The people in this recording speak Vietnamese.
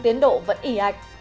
tiến độ vẫn ủy ạch